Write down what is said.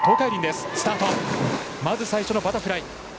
まず最初のバタフライ。